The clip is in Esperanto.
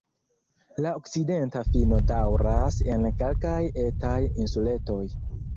La okcidenta fino daŭras en kelkaj etaj insuletoj.